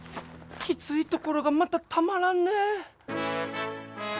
きついところがまたたまらんね。